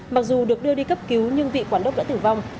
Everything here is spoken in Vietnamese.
mặc dù được đưa đi cấp cứu nhưng vị quản đốc đã tử vong